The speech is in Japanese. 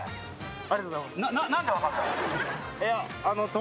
ありがとうございます。